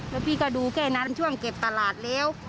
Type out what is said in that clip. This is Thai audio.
แล้วพี่ก็ดูแค่นั้นช่วงเก็บตลาดแล้ว